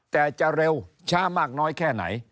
แต่จะเร็วช้ามากน้อยแค่ไหน